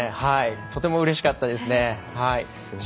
とてもうれしかったですね。